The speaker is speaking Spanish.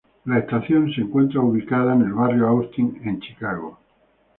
Es la estación se encuentra ubicada en el barrio Austin en Chicago.